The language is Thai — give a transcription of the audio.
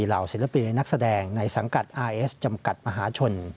เหล่าศิลปินและนักแสดงในสังกัดอาร์เอสจำกัดมหาชน